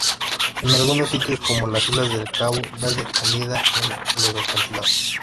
En algunos sitios como las islas de Cabo Verde anida en los acantilados.